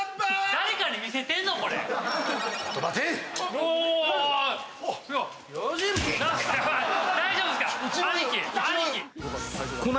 誰かに見せてんの？